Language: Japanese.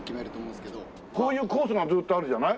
こういうコースがずっとあるじゃない？